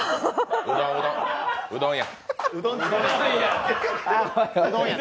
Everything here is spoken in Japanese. うどんや。